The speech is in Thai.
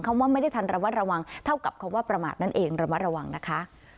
ว่าไม่ได้ทันระมัดระวังเท่ากับคำว่าประมาทนั่นเองระมัดระวังนะคะ